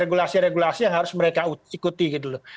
regulasi regulasi yang harus mereka ikuti gitu loh